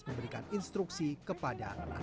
memberikan instruksi kepada anak buah